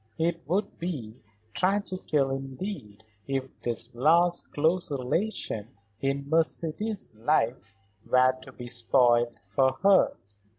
It would be tragical indeed if this last close relation in Mercedes's life were to be spoiled for her.